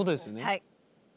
はい。